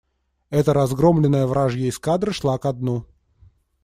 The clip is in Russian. Это разгромленная вражья эскадра шла ко дну.